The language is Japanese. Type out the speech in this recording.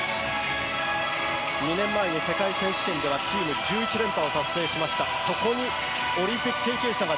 ５年前の世界選手権ではチーム１１連覇を達成しました。